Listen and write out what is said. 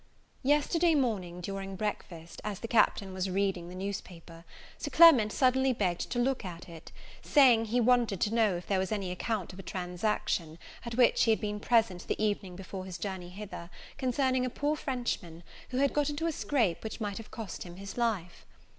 Yesterday morning, during breakfast, as the Captain was reading the newspaper, Sir Clement suddenly begged to look at it, saying, he wanted to know if there was any account of a transaction, at which he had been present the evening before his journey hither, concerning a poor Frenchman, who had got into a scrape which might cost him his life.